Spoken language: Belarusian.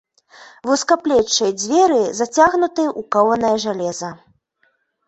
Вузкаплечыя дзверы зацягнутыя ў кованае жалеза.